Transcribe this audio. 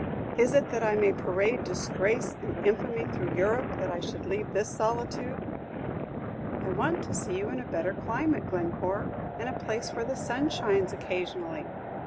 Is it that I may parade disgrace and infamy through Europe that I should leave this solitude?" "I want to see you in a better climate, Glencore, in a place where the sun shines occasionally."